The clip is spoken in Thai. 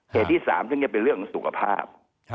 เหตุที่๓เนี่ยเป็นเรื่องสุขภาพ